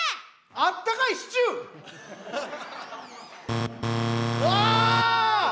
あったかいシチュー！わ！